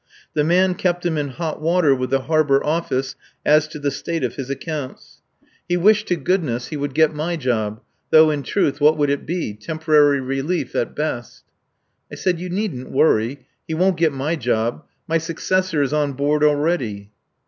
The man kept him in hot water with the Harbour Office as to the state of his accounts. He wished to goodness he would get my job, though in truth what would it be? Temporary relief at best. I said: "You needn't worry. He won't get my job. My successor is on board already."